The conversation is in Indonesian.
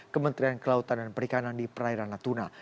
kementerian kelautan dan perikanan di prairana tuna